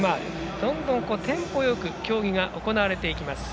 どんどんテンポよく競技が行われていきます。